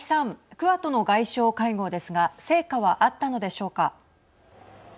クアッドの外相会合ですが成果はあったのでしょうか。